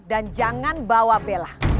dan jangan bawa bella